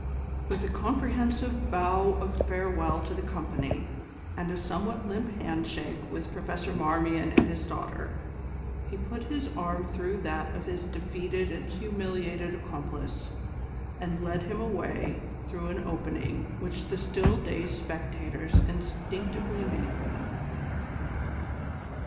With a comprehensive bow of farewell to the company, and a somewhat limp handshake with Professor Marmion and his daughter, he put his arm through that of his defeated and humiliated accomplice, and led him away through an opening which the still dazed spectators instinctively made for them.